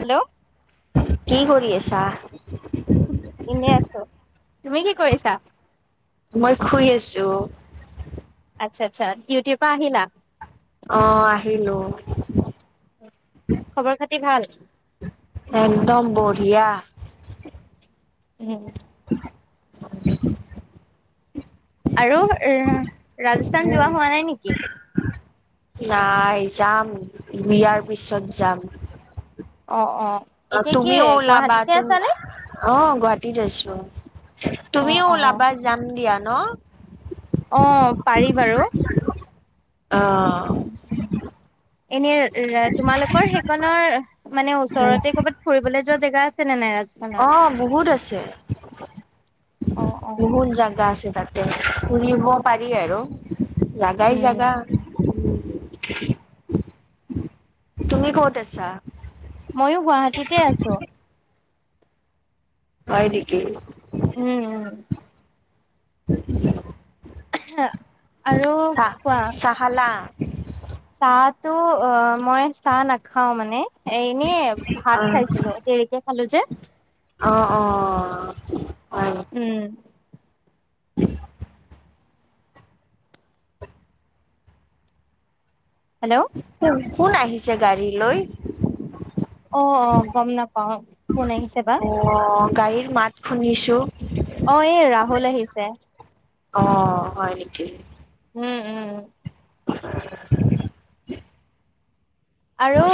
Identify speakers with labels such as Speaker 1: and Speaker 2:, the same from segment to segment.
Speaker 1: Hello!
Speaker 2: কি কৰি আছা?
Speaker 1: এনে আছো। তুমি কি কৰিছা?
Speaker 2: মই শুই আছো
Speaker 1: আচ্ছা আচ্ছা ডউটি পা আহিলা।
Speaker 2: আহ আহিলো।
Speaker 1: খবৰ খাতি ভাল?
Speaker 2: একদম বঢ়িয়া।
Speaker 1: উম!
Speaker 2: [unintelligible]
Speaker 1: আৰু ৰাজস্থান
Speaker 2: উম।
Speaker 1: যোৱা হোৱা নাই নেকি?
Speaker 2: নাই যাম বিয়াৰ পিছত যাম।
Speaker 1: অ অ'
Speaker 2: অ
Speaker 1: এতিয়া কি
Speaker 2: তুমি ওল বা
Speaker 1: গুৱাহাটীতে
Speaker 2: ত
Speaker 1: আছানে?
Speaker 2: অ গুৱাহাটী ৰেষ্টোৰেন্তত
Speaker 1: অ',
Speaker 2: তুমিও
Speaker 1: অ',
Speaker 2: ওলাবা যাম দিয়া ন
Speaker 1: অ', পাৰি বাৰু।
Speaker 2: অ'
Speaker 1: এনেই, তোমালোকৰ সেইকনৰ মানে ওচৰতে কৰ'বাত ফুৰিবলৈ জেগা আছে নে নাই ৰাজস্থানৰ?
Speaker 2: অ', বহুত আছে,
Speaker 1: অ', অ',
Speaker 2: বহুত জাগা আছে তাত। ফুৰিব পাৰি আৰু। জাগাই
Speaker 1: উম
Speaker 2: জাগা। তুমি ক'ত আছা?
Speaker 1: ময়ো গুৱাহাটীতে আছোঁ।
Speaker 2: হয় নেকি?
Speaker 1: উম, উম।
Speaker 2: [inaudible]
Speaker 1: হা আৰু
Speaker 2: চাহ
Speaker 1: কোৱা।
Speaker 2: চাহ [inaudible]
Speaker 1: চাহটো অ', মই চাহ নাখাও মানে। এ এনেই ভাত
Speaker 2: অ'
Speaker 1: খাইছিলোঁ দেৰিকে খালোঁ যে।
Speaker 2: অ', অ', অ'।
Speaker 1: উম।
Speaker 2: [inaudible]
Speaker 1: হেল্ল'
Speaker 2: উম। কোন আহিছে গাড়ীলৈ?
Speaker 1: অ', অ', গম নাপাও, কোন আহিছে বা।
Speaker 2: অ গাড়ীৰ মাত শুনিছোঁ।
Speaker 1: অ', এই ৰাহুল আহিছে।
Speaker 2: অ', হয় নেকি।
Speaker 1: উম, উম।
Speaker 2: [inaudible]
Speaker 1: আৰু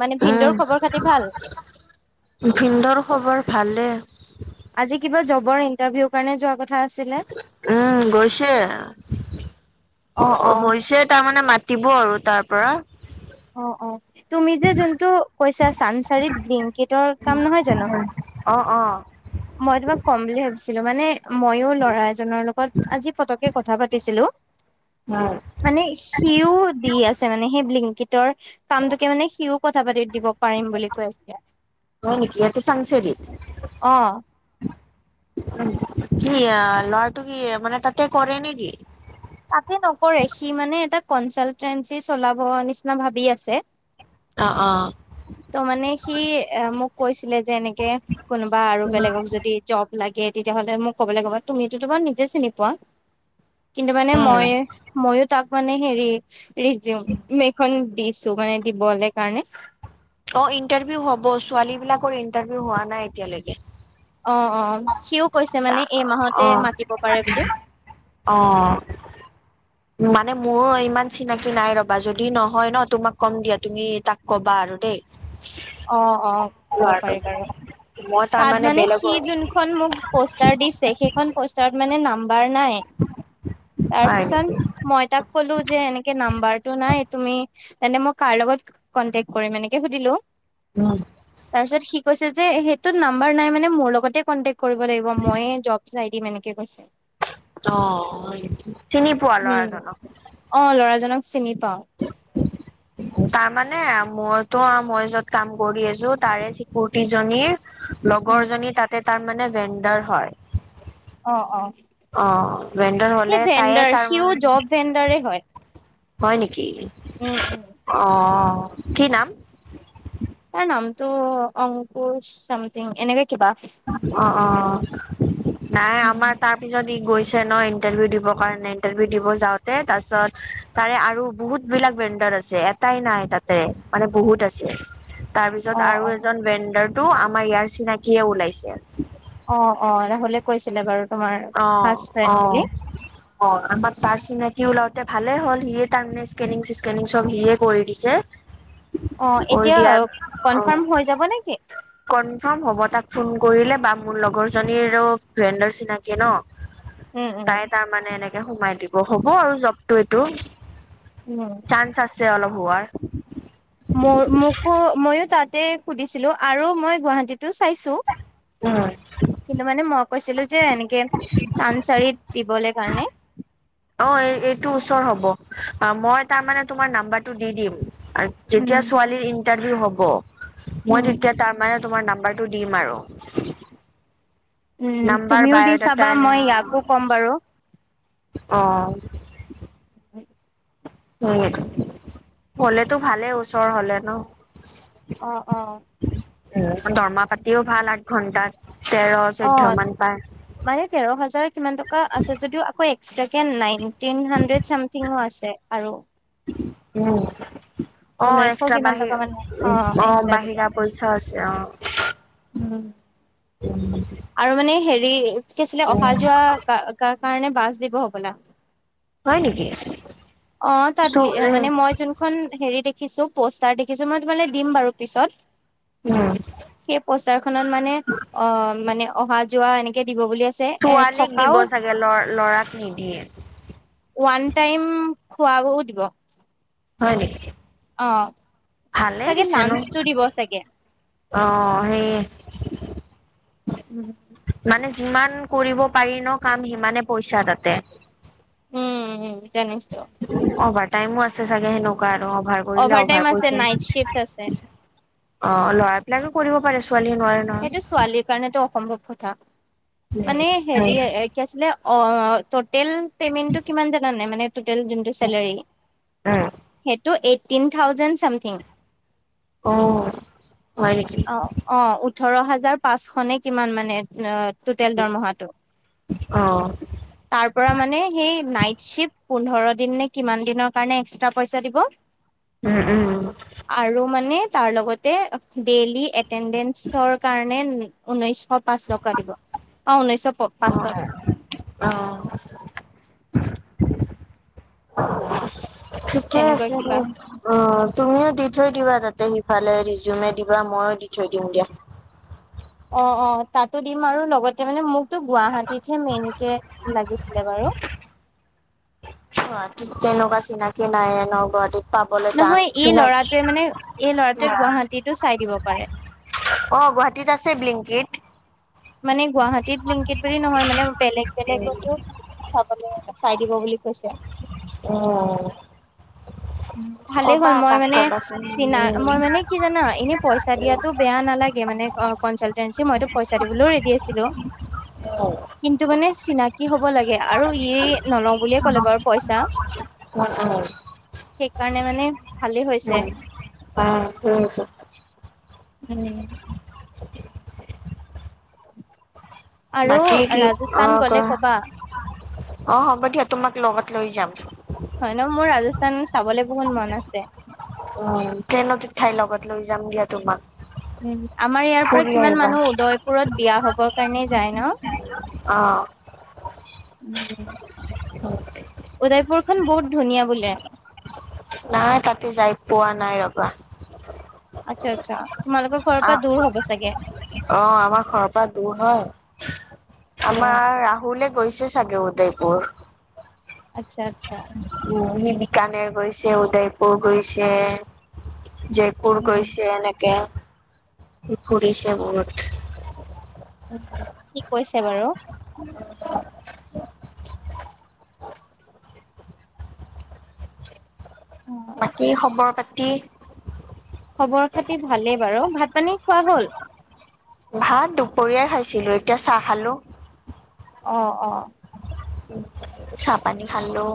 Speaker 1: মানে
Speaker 2: উম
Speaker 1: ভিনদ'ৰ খবৰ খাতি ভাল?
Speaker 2: ভিনদৰ খবৰ ভালে।
Speaker 1: আজি কিবা জ'বৰ ইন্টাৰভিউৰ কাৰণে যোৱা কথ
Speaker 2: উম, গৈছে
Speaker 1: অ অ
Speaker 2: হৈছে তাৰমানে মা দিব আৰু তাৰ পৰা।
Speaker 1: অ', অ', তুমি যে যোনটো কৈছা চানমাৰিত ব্লিংকিটৰ কাম নহয় জানো।
Speaker 2: [inaudible]
Speaker 1: মই তোমাক ক'ম বুলি ভাবিছিলো মানে ময়ো ল'ৰা এজনৰ লগত আজি পতককে কথা পাতিছিলো
Speaker 2: উম
Speaker 1: মানে সিওঁ দি আছে মানে সেই ব্লিং টৰ কামটোকে মানে সিওঁ কথা পাতি দিব পাৰিম বুলি কৈ আছিলে
Speaker 2: হয় নেকি ইয়াতে
Speaker 1: অ'।
Speaker 2: উম, কি ল'ৰাটো কি মানে তাতে কৰে নেকি?
Speaker 1: তাতে নকৰে সি মানে এটা কনচালটেঞ্চি চলাব নিচিনা ভাবি আছে।
Speaker 2: অঁ-অঁ।
Speaker 1: ত' মানে সি এ মোক কৈছিলে যেনেকে কোনোবা আৰু বেলেগক যদি জব লাগে তেতিয়াহ'লে মোক ক'বলৈ ক'বা তুমিটো বাৰু নিজে চিনি পোৱা। কিন্তু মানে
Speaker 2: উম
Speaker 1: মই ময়ো তাক মানে হেৰি ৰিয্যুম এখন দিছো মানে দিবলে কাৰণে।
Speaker 2: অঁ ইণ্টাৰভিউ হ'ব ছোৱালী বিলাকৰ ইন্টাৰভিউ হোৱা নাই এতিয়ালৈকে।
Speaker 1: অ অ সিও কৈছে মানে এই মাহতে মাতিব পাৰে বুলি
Speaker 2: অঁ-অঁ। মানে মোৰ ইমান চিনাকি নাই ৰ'বা যদি নহয় ন তোমাক কম দিয়া তুমি তাক কবা আৰু দেই।
Speaker 1: অ-অ' ক'ব পাৰি
Speaker 2: ল'ৰাটোক
Speaker 1: বাৰু
Speaker 2: মই
Speaker 1: তাত
Speaker 2: তাৰমানে
Speaker 1: মানে সি
Speaker 2: বেলেগৰ
Speaker 1: যোনখন মোক পষ্টাৰ দিছে সেই খন পষ্টাৰত মানে নাম বাৰ নাই,
Speaker 2: হয় নেকি
Speaker 1: তাৰপিছত মই তাক ক'লো যে এনেকে নাম্বাৰটো নাই তুমি তেন্তে মই কাৰ লগত কনটেক্ কৰিম এনেকে সুধিলো।
Speaker 2: [unintelligible]
Speaker 1: তাৰপিছত সি কৈছে যে, সেইটোত নাম্বাৰ নাই মানে মোৰ লগতে কংতেক্ট কৰিব লাগিব মই এ জব চাই দিম এনেকে কৈছে।
Speaker 2: অঁ হয় নেকি।
Speaker 1: উম, অঁ ল'ৰাজনক চিনি পাওঁ।
Speaker 2: তাৰমানে মইতো মই য'ত কাম কৰি আছো তাৰে চিকুুৰটিজনীৰ
Speaker 1: উম।
Speaker 2: লগৰ জনী তাতে তাৰ মানে ভেণ্ডাৰ হয়।
Speaker 1: অ'- অ'
Speaker 2: অ ভেণ্ডাৰ হলে
Speaker 1: সি
Speaker 2: তায়ে
Speaker 1: ভেণ্ডাৰ,
Speaker 2: তাৰ
Speaker 1: সিও জব ভেন্দৰেই হয়।
Speaker 2: হয় নেক কি,
Speaker 1: উম উম।
Speaker 2: অঁ। কি নাম।
Speaker 1: তাৰ নামটো অংকুৰ চামথিং এনকে
Speaker 2: অ'- অ' নাই
Speaker 1: উম।
Speaker 2: আমাৰ তাৰ পিছত ই গৈছ চে ন ইণ্টাৰভিউ দিবৰ কাৰণে ইণ্টাৰভিউ দিব যাওঁতে তাৰপিছত তাৰে আৰু বহুত বিলাক ভেণ্ডৰ আছে এটাই নাই তাতে মানে বহুত আছে। তাৰ পিছত
Speaker 1: অ
Speaker 2: আৰু
Speaker 1: অ।
Speaker 2: এজন ভেণ্ডাৰ তো আমাৰ ইয়াৰ চিনাকিয়ে ওলাই [inaudible]
Speaker 1: অ'-অ' নহ'লে কৈছিলে বাৰু। তোমাৰ
Speaker 2: অ',
Speaker 1: ফাৰ্ষ্ট ফ্ৰেণ্ড বুলি
Speaker 2: অ', অ', আমাৰ তাৰ চিনে সিয়ো লাওওঁতে ভালে হ'ল, সিয়ে তাৰমানে স্কেনিং চিছকেনিং চব সিয়ে কৰি দিছে।
Speaker 1: অ',
Speaker 2: কৰি
Speaker 1: এতিয়া
Speaker 2: দিয়া অ
Speaker 1: কনফাৰ্ম হৈ যাব নেকি?
Speaker 2: কনফাৰ্ম হ'ব, তাক ফোন কৰিলে বা মোৰ লগৰ জনীৰ ভফ্ৰেণ্ডৰ চিনাকি ন।
Speaker 1: উম উম
Speaker 2: তাই তাৰ মানে এনে সোমাই। দিব হ'ব আৰু জব ত' এইটো
Speaker 1: উম
Speaker 2: চাঞ্চ আছ যে অলপ হোৱাৰ।
Speaker 1: মোৰ মোকো মইয়ো তা তে সুধিছিলো আৰু মই গুৱাহাটীতো পাইছো,
Speaker 2: উম
Speaker 1: কিন্তু মানে ম কৈছিলো যে এনেকে চানচাৰিত দিবলে কাৰণে।
Speaker 2: অ', এই এইটো ওচৰ হ'ব, অ', মই তাৰ মানে তোমাৰ নাম্বাৰটো দি দিম। আৰু
Speaker 1: উম
Speaker 2: যেতিয়া ছোৱালীৰ ইন টাৰভিউ হ'ব।
Speaker 1: উম
Speaker 2: মই তেতিয়া তাৰমানে তোমাৰ নাম্বাৰটো দিম আৰু।
Speaker 1: উম,
Speaker 2: নাম্বাৰ
Speaker 1: তুমিও দি
Speaker 2: বায়'ডাটা
Speaker 1: চাবা
Speaker 2: এনে
Speaker 1: মই ইয়াকো কম বাৰু।
Speaker 2: অ
Speaker 1: হয়।
Speaker 2: সেইয়ে, হলেতো ভালেই, ওচৰ হলে ন।
Speaker 1: অ', অ',
Speaker 2: উম দৰমহা পাতিও ভাল আঠ ঘণ্টাত।
Speaker 1: অ', মানে তেৰ হাজাৰ কিমান টকা আছে যদিও আকৌ এ চাগে নাইনটিন হাড্ৰেড চামথিংও আছে, আৰু
Speaker 2: উম। অ', এক্সট্ৰা
Speaker 1: ঊনৈশ
Speaker 2: বাহিৰ
Speaker 1: কিমান টকা মানে
Speaker 2: অ',
Speaker 1: অ
Speaker 2: বাহিৰা
Speaker 1: এক্সট্ৰা দিব
Speaker 2: পইচা আছে, অঁ।
Speaker 1: উম।
Speaker 2: উম।
Speaker 1: আৰু মানে হেৰি কি আছিলে অহা যোৱা [unintelligible] কাৰণে বাছ দিব হ'বলা।
Speaker 2: হয় নেকি?
Speaker 1: অ', তাত
Speaker 2: চ
Speaker 1: মানে মই যোনখন হেৰি দে দেখিছো পষ্টাৰ দেখিছো মই তোমালে দিম বাৰু পিছত।
Speaker 2: উম
Speaker 1: সেই পষ্টাৰ খনত মানে অঁ মানে অহা যোৱা এনেকে দিব বুলি আছে এ
Speaker 2: ছোৱালীক দিব
Speaker 1: থকাও
Speaker 2: চাগে ল ল'ৰাক
Speaker 1: ওৱান
Speaker 2: নিদিয়ে।
Speaker 1: টাইম খোৱা বোৱাও দিব।
Speaker 2: হয় নেকি?
Speaker 1: অ'।
Speaker 2: ভালেই
Speaker 1: চাগে
Speaker 2: পিছেনো
Speaker 1: লাঞ্চটো দিব চাগে
Speaker 2: অঁ, সেইয়ে।
Speaker 1: উম।
Speaker 2: মানে যিমান কৰিব পাৰি ন কাম সিমানে পইচা তাতে।
Speaker 1: উম। জানিছো৷
Speaker 2: অভাৰ টাইমো আছে চাগে সেনেকুৱা অঁ, ভাৰ কৰিলে অভাৰ
Speaker 1: টাইম আছে
Speaker 2: কৰিছে৷
Speaker 1: নাইট শ্বিফ্ট আছে
Speaker 2: অঁ, ল'ৰাবিলাকে কৰিব পাৰে ছোৱালীয়ে নোৱাৰে নহয়
Speaker 1: সেইটো ছোৱালীৰ কাৰণেতো অসম্ভৱ কথা৷ মানে হেৰি,
Speaker 2: উম
Speaker 1: কি আছিলে অ', ত তিল পেমেন্টো কিমান জানানে? মানে টোটেল যোনটো চেলাৰী, সেইটো এই এতটিন থাউেজণ্ড চামথিং৷
Speaker 2: অ', হয় নেকি?
Speaker 1: অ অ ওঠৰ হাজাৰ পাঁচশ নে কিমান মানে, অ টোটেল দৰমহাটো,
Speaker 2: অ
Speaker 1: তাৰ পৰা মানে সেই নাইট চিফ্ট পোন্ধৰ দিন নে কিমান দিনৰ কাৰণে এক্সট্ৰা পইচা দিব।
Speaker 2: উম উম৷
Speaker 1: তাৰলগতে ডেইলি এটেণ্ডে চৰ কাৰণে ন ঊনৈচশ পাঁচ টকা দিব৷ অ', ঊনৈচশ
Speaker 2: অঁ, হয় অঁ৷ [inaudible] ঠিকে
Speaker 1: তেনেকুৱা
Speaker 2: আছে তে,
Speaker 1: কিবা
Speaker 2: অ', তুমিও দি থৈ দিবা তাতে৷ তাতে সিফালে ৰিজিউমে দিবা, মইয়ো দি থৈ দিম দিয়া৷
Speaker 1: অ' অ' তাতো দিম আৰু লগতে মানে মোক তো গুৱাহাটীতহে মেইন- কে লাগিছিলে বাৰু৷
Speaker 2: গুৱাহাটীত তেনেকুৱা চিনাক নাইয়ে ন' গুৱাহাটীত৷ পাবলৈ টান
Speaker 1: নহয় এই
Speaker 2: চিনাকি
Speaker 1: লৰাটোৱে মানে, এই লৰাটোৱে গুৱাহাটীতো চাই দিব পাৰে৷
Speaker 2: অ গুৱাহাটীত আছে ব্লিংকিত
Speaker 1: মানে গুৱাহাটীত ব্লিংকিট বুলি নহয় মানে- বেলেগ বেলেগতো- চাবলৈ চাই দিব বুলি কৈছে৷
Speaker 2: অ '
Speaker 1: ভালে হ'ল মই মানে
Speaker 2: কবাচোন উম
Speaker 1: চিনা-মই মানে কি জানা ল, এনে পইচা দিয়াতো বেয়া নালাগে মানে অ', কনচালটেঞ্চি মইতো পইচা দিবলৈও ৰেডি আছিলো৷ কিন্তু মানে- চিনাকি হ'ব লাগে। আৰু ই নলওঁ বুলিয়ে ক'লে বাৰু পইচা [inaudible]
Speaker 2: উম উম
Speaker 1: সেইকাৰণে মানে ভালেই হৈছে
Speaker 2: [unintelligible]
Speaker 1: উম, আৰু
Speaker 2: বাকী কি
Speaker 1: ৰাজস্থান
Speaker 2: অ',
Speaker 1: গ'লে
Speaker 2: কোৱা,
Speaker 1: ক'বা
Speaker 2: অ, হ'ব দিয়া তোমাক লগত লৈ যাম। [inaudible]
Speaker 1: হয় ন' মোৰ ৰাজস্থ স্থান চাবলে বহুত মন আছে।
Speaker 2: উম, ট্ৰেইনত উঠাই লগত লৈ যাম দিয়া তোমাক।
Speaker 1: উম, আমাৰ ইয়াৰ পৰা
Speaker 2: ফুৰি
Speaker 1: কিমান
Speaker 2: আহিবা
Speaker 1: মানুহ উদয়পুৰত বিয়া হ [unintelligible] কাৰণে যায় ন'?
Speaker 2: অ',
Speaker 1: উম,
Speaker 2: [unintelligible]
Speaker 1: উদয়পুৰখন বহুত ধুনীয়া বোলে।
Speaker 2: নাই তাতে যাই পোৱা নাই ৰ'বা।
Speaker 1: আচ্ছা আচ্ছা। তোমালোকৰ ঘৰৰ পৰা দূৰ
Speaker 2: অ',
Speaker 1: হ'ব চাগে?
Speaker 2: অ, আমাৰ ঘৰৰ পৰা দূৰ হয়। [unintelligible]
Speaker 1: অ'।
Speaker 2: আমাৰ ৰাহুলে কৰিছে চাগে গোটেইবোৰ [inaudible]
Speaker 1: আচ্ছা। আচ্ছা।
Speaker 2: উম, সেই বিকানেৰ গৈছে, উদয়পুৰ গৈছে। জয়পুৰ
Speaker 1: উম।
Speaker 2: গৈছে এনেকে। ফুৰিছে বহুত
Speaker 1: ঠিক কৈছে বাৰু
Speaker 2: [inaudible]
Speaker 1: অ',
Speaker 2: বাকী খবৰ পাতি?
Speaker 1: খবৰ-খাতি ভালেই বাৰু। ভাত-পানী খোৱা হ'ল?
Speaker 2: ভাত দুপৰীয়াই খাইছিলোঁ। এতিয়া চাহ খালোঁ।
Speaker 1: অ', অ'।
Speaker 2: চাহ-পানী খালোঁ।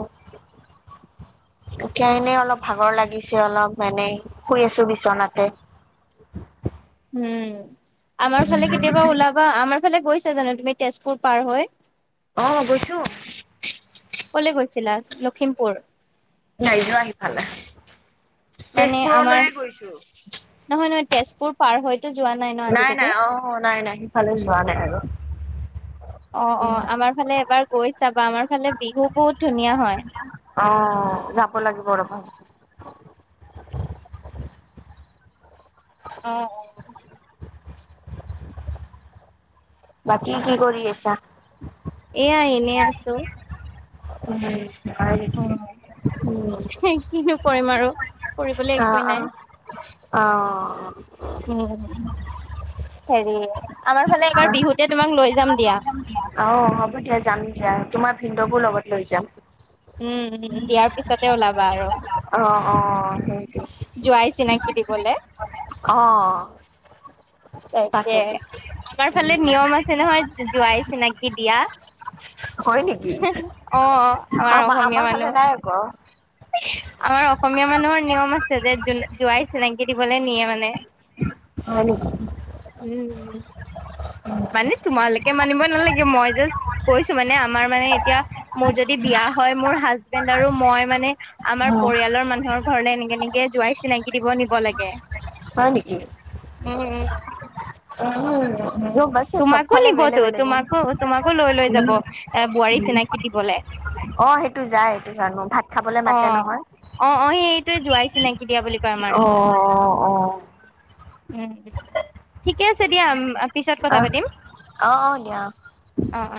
Speaker 2: এতিয়া এনেই অলপ ভাগৰ লাগিছে। অলপ মানে, শুই আছোঁ বিচনাতে।
Speaker 1: উম। আমাৰ ফালে কেতিয়াবা ওলাবা। আমাৰ ফালে গৈছা জানো তুমি? তেজপুৰ পাৰ হৈ
Speaker 2: অ', গৈছোঁ।
Speaker 1: ক'লে গৈছিলা? লখিমপুৰ?
Speaker 2: নাই যোৱা সিফালে।
Speaker 1: মানে আমাৰ,
Speaker 2: তেজপুৰলৈয়ে গৈছো।
Speaker 1: নহয়, নহয়। তেজপুৰ পাৰ হৈ যোৱা নাই ন আজিলৈকে?
Speaker 2: নাই অ', নাই নাই সিফালে যোৱা নাই আৰু।
Speaker 1: অ', অ'। আমাৰ ফালে এবাৰ গৈ চাবা। আমাৰ ফালে বিহু বহুত ধুনীয়া হয়।
Speaker 2: অ', যাব [inaudible]
Speaker 1: অ', অ'।
Speaker 2: বাকী, কি কৰি আছা?
Speaker 1: এইয়া এনেই আছোঁ।
Speaker 2: উম।
Speaker 1: অ', কিনো কৰিম আৰু কৰিবলে একোৱেই নাই।
Speaker 2: অহ।
Speaker 1: উম, হেৰি আমাৰ ফালে এবাৰ বিহুতে তোমাক লৈ যাম দিয়া।
Speaker 2: অ হ'ব দিয়া যাম দিয়া তোমাৰ ভিনদ'কো লগত লৈ যাম।
Speaker 1: উম, উম, বিয়াৰ পিছতে ওলাবা আৰু।
Speaker 2: অ অ', সে
Speaker 1: জোৱাই চিনাকি দিবলে।
Speaker 2: অ
Speaker 1: তাকে
Speaker 2: তাকেতো
Speaker 1: আমাৰ
Speaker 2: উম
Speaker 1: ফালে নিয়ম আছে নহয় জোৱাই চিনাকি দিয়া।
Speaker 2: হয় নেকি? আমাৰ
Speaker 1: অসমীয়া
Speaker 2: আমাৰ ফালে
Speaker 1: মানুহ
Speaker 2: নাই আকৌ।
Speaker 1: আমাৰ অসমীয়া মানুহৰ নিয়ম আছ যে জোৱাই চিনাকি দিবলৈ নিয়ে মানে।
Speaker 2: হয় নেকি?
Speaker 1: উম। মানে তোমালোকে মানিব নালাগে মই জাচট কৈছো মানে আমাৰ মানে এতিয়া মোৰ যদি বিয়া হয় মোৰ হাজবেণ্ড আৰু মই মানে আমাৰ
Speaker 2: অ
Speaker 1: পৰিয়ালৰ মানুহৰ ঘৰলে এনেকে এনেকে জোঁৱাই চিনাকি দিব নিব লাগে।
Speaker 2: হয় নেকি।
Speaker 1: উম উম।
Speaker 2: [unintelligible] বছে চব
Speaker 1: তোমাকো
Speaker 2: ফালে বেলেগ
Speaker 1: নিবতো
Speaker 2: বেলেগ
Speaker 1: তোমাকো তোমাকো লৈ লৈ যাব এ বোৱাৰী চিনাকি দিবলে।
Speaker 2: অ সেইটো যায় সটো জান ভাত খাবলে মাতে নহয়।
Speaker 1: জোঁৱাই চিনাকি দিয়া বুলি কয় আমাৰ।
Speaker 2: অ, ' অ, ' অ।
Speaker 1: উম, ঠিকে আছে দিয়া আ
Speaker 2: আহ, আহ, আহ দিয়া
Speaker 1: অ অ।